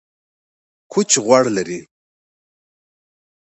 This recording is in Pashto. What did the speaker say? کوچ غوړ لري